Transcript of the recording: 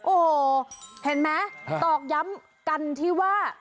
โอ้โหเห็นไหมตอกย้ำกันที่ว่า